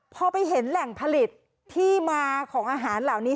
พอไปเห็นแหล่งผลิตที่มาของอาหารเหล่านี้